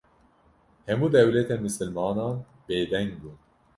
hemu dewletên mislimanan bê deng bûn